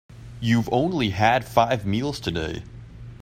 You've only had five meals today.